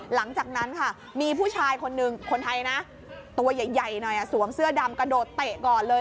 หลังจากนั้นค่ะมีผู้ชายคนหนึ่งคนไทยนะตัวใหญ่หน่อยสวมเสื้อดำกระโดดเตะก่อนเลย